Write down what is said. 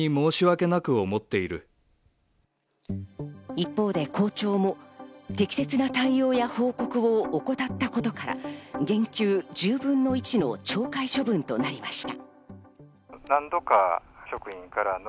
一方で校長も適切な対応や報告を怠ったことから減給１０分の１の懲戒処分となりました。